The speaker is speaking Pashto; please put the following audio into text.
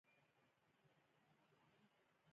د شاتو مچۍ د میوو له ګلونو ګټه اخلي.